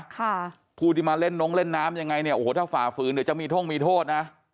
ค่ะผู้ที่มาเล่นนงเล่นน้ำยังไงเนี่ยโอ้โหถ้าฝ่าฝืนเดี๋ยวจะมีท่งมีโทษนะ